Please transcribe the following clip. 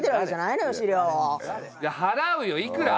いや払うよいくら？